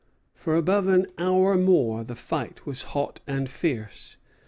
For above an hour more the fight was hot and fierce.